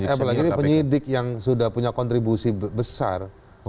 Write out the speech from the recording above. apalagi ini penyidik yang sudah punya kontribusi besar